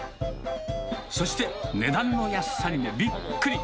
そして、値段の安さにもびっくり。